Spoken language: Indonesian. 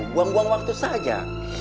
buang buang waktu saja